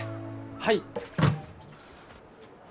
はい。